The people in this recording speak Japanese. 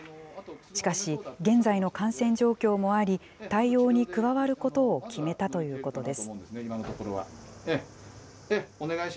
しかし、現在の感染状況もあり、対応に加わることを決めたということです。